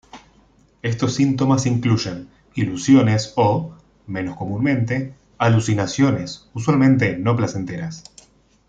Estos síntomas incluyen ilusiones o, menos comúnmente, alucinaciones, usualmente no placenteras.